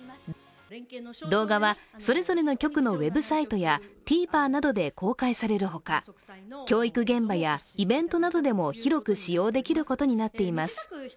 動画はそれぞれの局のウェブサイトやＴＶｅｒなどで公開されるほか教育現場やイベントなどでも広く使用できることになっています。